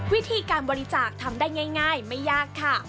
วิธีการบริจาคทำได้ง่ายไม่ยากค่ะ